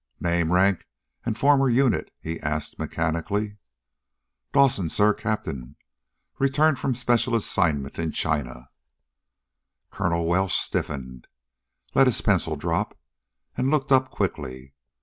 "Name, rank, and former unit?" he asked mechanically. "Dawson, sir. Captain. Returned from special assignment in China." Colonel Welsh stiffened, let his pencil drop, and looked up quickly.